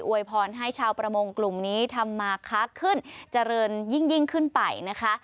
วยพรให้ชาวประมงกลุ่มนี้ทำมาค้าขึ้นเจริญยิ่งขึ้นไปนะคะ